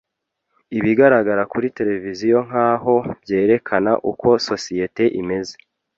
Ibigaragara kuri tereviziyo, nkaho, byerekana uko societe imeze